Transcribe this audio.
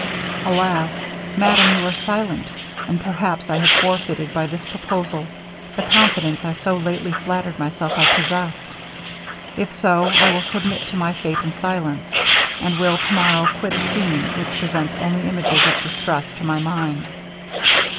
Alas! madam, you are silent, and perhaps I have forfeited, by this proposal, the confidence I so lately flattered myself I possessed. If so, I will submit to my fate in silence, and will to morrow quit a scene which presents only images of distress to my mind.'